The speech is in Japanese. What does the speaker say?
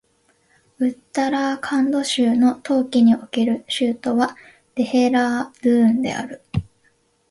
ウッタラーカンド州の冬季における州都はデヘラードゥーンである